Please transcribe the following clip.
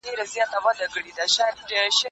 هغه د خپلو اتلانو په بریا کې د حقیقت نښې لیدلې.